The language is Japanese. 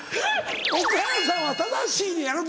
お母さんは正しいねやろ？